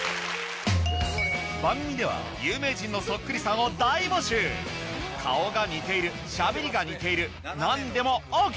番組では有名人のそっくりさんを大募集顔が似ているしゃべりが似ている何でもＯＫ！